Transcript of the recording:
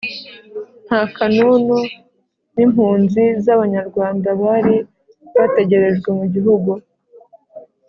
nta kanunu n'impunzi z'abanyarwanda bari bategerejwe mu gihugu!